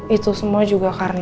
itu semua juga karena